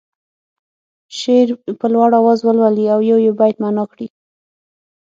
شعر په لوړ اواز ولولي او یو یو بیت معنا کړي.